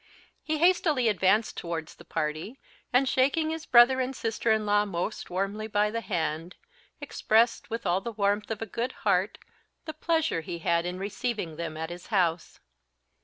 He hastily advanced towards the party, and shaking his brother and sister in law most warmly by the hand, expressed, with all the warmth of a good heart, the pleasure he had in receiving them at his house.